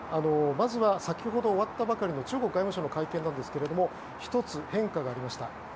まずは先ほど終わったばかりの中国外務省の会見ですが１つ変化がありました。